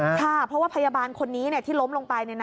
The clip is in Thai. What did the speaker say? เพราะว่าพยาบาลคนนี้ที่ล้มลงไป